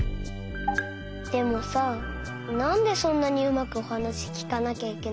でもさなんでそんなにうまくおはなしきかなきゃいけないの？